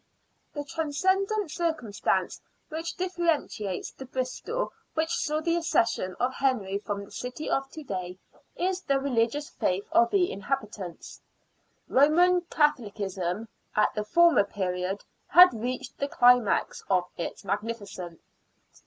The transcendent circumstance which differentiates the Bristol which saw the accession of Henry from the city of to day is the religious faith of the inhabitants. Roman Catholicism, at the former period, had reached the climax of its magnificence.